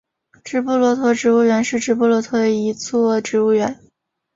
直布罗陀植物园是直布罗陀的一座植物园。